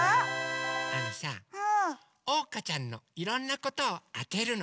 あのさおうかちゃんのいろんなことをあてるの！